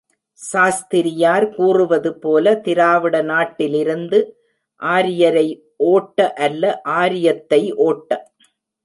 சாஸ்திரியார் கூறுவது போல, திராவிட நாட்டிலிருந்து ஆரியரை ஓட்ட அல்ல ஆரியத்தை ஓட்ட!